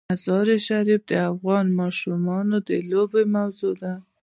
مزارشریف د افغان ماشومانو د لوبو موضوع ده.